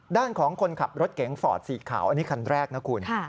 ด้านของคนขับรถเก๋งฟอร์ดสีขาวอันนี้คันแรกนะคุณ